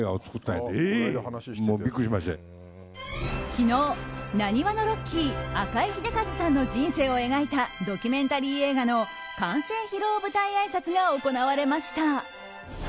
昨日、浪速のロッキー赤井英和さんの人生を描いたドキュメンタリー映画の完成披露舞台あいさつが行われました。